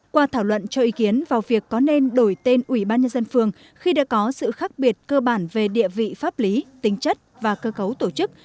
qua thảo luận cho ý kiến vào việc có nên đổi tên ủy ban nhân dân phường khi đã có sự khác biệt cơ bản về địa vị pháp lý tính chất và cơ cấu tổ chức